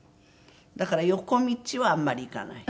だから横道はあんまり行かない。